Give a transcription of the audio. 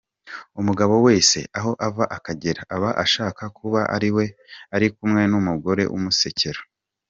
Umugabo wese aho ava akagera aba ashaka kuba ari kumwe n’umugore umusekera.